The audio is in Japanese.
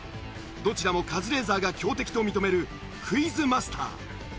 どちらもカズレーザーが強敵と認めるクイズマスター。